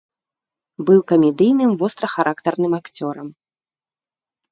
Быў камедыйным вострахарактарным акцёрам.